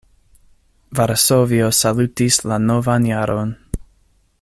Varsovio salutis la novan jaron.